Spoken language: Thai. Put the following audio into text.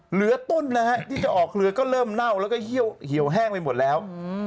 เหลือต้นนะฮะที่จะออกเรือก็เริ่มเน่าแล้วก็เหี่ยวแห้งไปหมดแล้ว